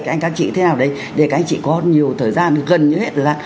các anh các chị thế nào đấy để các anh chị có nhiều thời gian gần như hết là